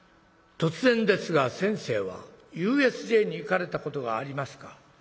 突然ですが先生はＵＳＪに行かれたことがありますか？